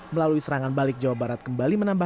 melalui serangan balik jawa barat kembali menambah